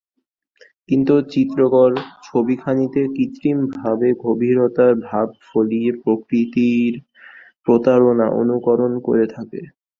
কিন্তু চিত্রকর ছবিখানিতে কৃত্রিমভাবে গভীরতার ভাব ফলিয়ে প্রকৃতির প্রতারণা অনুকরণ করে থাকে।